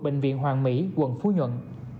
bệnh viện hoàng mỹ quận phú nhuận